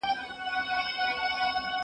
زه چپنه نه پاکوم